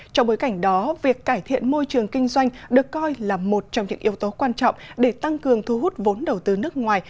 trong bối cảnh đó việc cải thiện môi trường kinh doanh được coi là một trong những yếu tố quan trọng để tăng cường thu hút vốn đầu tư nước ngoài